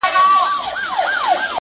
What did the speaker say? یوه ورځ لاري جلا سوې د یارانو-